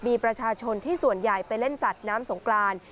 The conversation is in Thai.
มีประชาชนที่ส่วนใหญ่ไปเล่นสัตว์น้ำสงกราน